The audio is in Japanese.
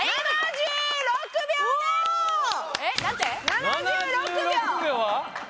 ７６秒は？